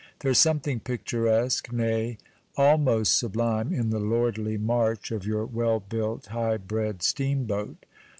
There is something picturesque, nay, almost sublime, in the lordly march of your well built, high bred steamboat.